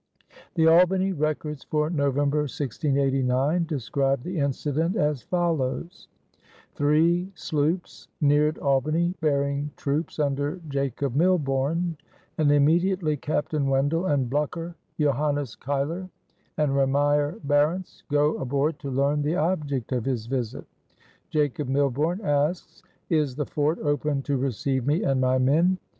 The Albany Records for November, 1689, describe the incident as follows: "Three sloops neared Albany bearing troops under Jacob Milborne and immediately Captain Wendell and Blucker, Johannes Cuyler and Reymier Barents go aboard to learn the object of his visit. Jacob Milborne asks: 'Is the fort open to receive me and my men?'